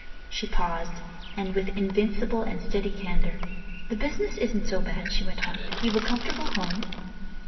She paused, and with invincible and steady candour. "The business isn't so bad," she went on. "You've a comfortable home."